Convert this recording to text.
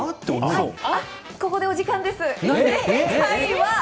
ここでお時間です。